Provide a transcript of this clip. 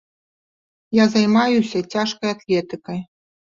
Я займаюся цяжкай атлетыкай.